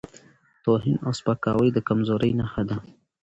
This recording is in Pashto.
توهین او سپکاوی د کمزورۍ نښه ده.